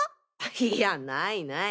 いやないない。